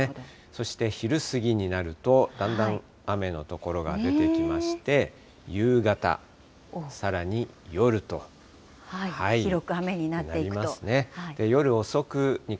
そして昼過ぎになると、だんだん雨の所が出てきまして、夕方、広く雨になっていくと。